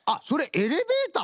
エレベーター！